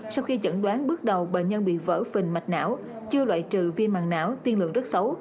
sau khi chẩn đoán bước đầu bệnh nhân bị vỡ phình mạch não chưa loại trừ viên mạng não tiên lượng rất xấu